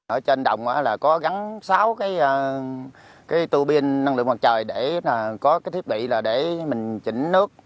ở trên đồng có gắn sáu cái tù pin năng lượng mặt trời để có cái thiết bị để mình chỉnh nước